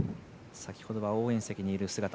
先ほどは応援席にいる姿。